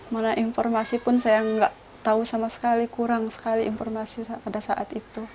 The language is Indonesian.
mana informasi pun saya nggak tahu sama sekali kurang sekali informasi pada saat itu